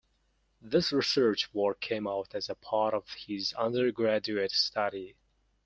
This research work came out as a part of his undergraduate study.